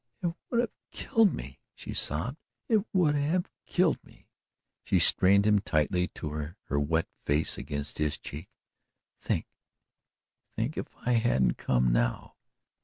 "It would have killed me," she sobbed. "It would have killed me." She strained him tightly to her her wet face against his cheek: "Think think if I hadn't come now!"